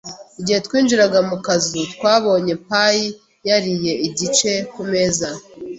Igihe twinjiraga mu kazu, twabonye pie yariye igice ku meza.